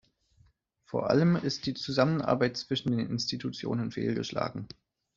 Vor allem ist die Zusammenarbeit zwischen den Institutionen fehlgeschlagen.